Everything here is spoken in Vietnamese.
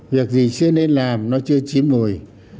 việc gì chưa nên làm nó chưa chí mùi